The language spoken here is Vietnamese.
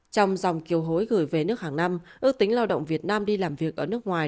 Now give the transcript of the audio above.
trong dòng kiều hối gửi về nước hàng năm ước tính lao động việt nam đi làm việc ở nước ngoài